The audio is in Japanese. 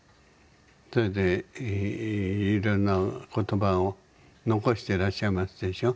それでいろんな言葉を残していらっしゃいますでしょ。